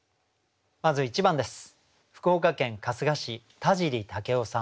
まず１番です。